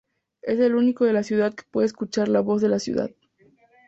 Es el único de la ciudad que puede escuchar la "voz de la ciudad".